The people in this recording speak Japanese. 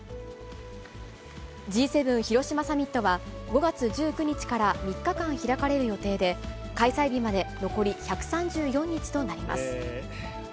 Ｇ７広島サミットは、５月１９日から３日間開かれる予定で、開催日まで残り１３４日となります。